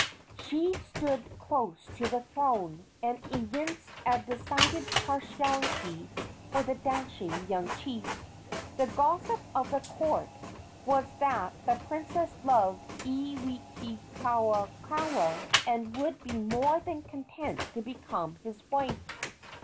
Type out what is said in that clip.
She stood close to the throne, and evinced a decided partiality for the dashing young chief. The gossip of the court was that the princess loved Iwikauikaua and would be more than content to become his wife.